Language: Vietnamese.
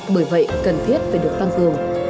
bởi vậy cần thiết phải được tăng cường